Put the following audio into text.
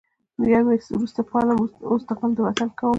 يار به مې وروسته پالم اوس غم د وطن کومه